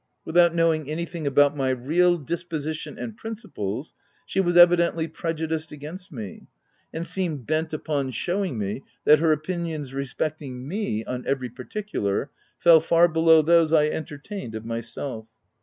Without knowing anything about my real disposition and principles, she was evidently prejudiced against me, and seemed bent upon shewing me that her opinions respecting me, on every particular, fell far below those I enter tained of myself.